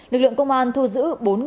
lực lượng công an thu giữ